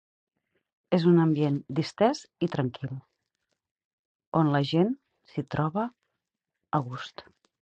És un ambient distès i tranquil on la gent s'hi troba a gust.